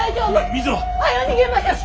水は？はよ逃げましょう！